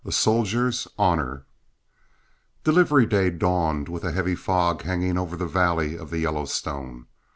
A SOLDIER'S HONOR Delivery day dawned with a heavy fog hanging over the valley of the Yellowstone.